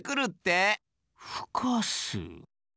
ふかす？